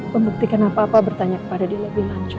membuktikan apa apa bertanya kepada dia lebih lanjut